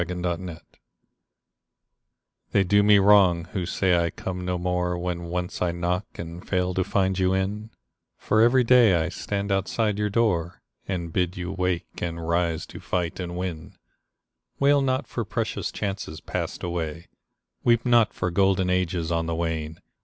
OPPORTUNITY They do me wrong who say I come no more When once I knock and fail to find you in ; For every day I stand outside your door, And bid you wake, and rise to fight and win. [ 27 ] Selected Poems Wail not for precious chances passed away, Weep not for golden ages on the wane